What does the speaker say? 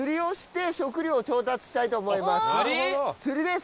釣りです。